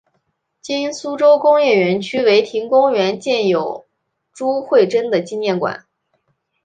今苏州工业园区的唯亭公园建有朱慧珍的纪念馆。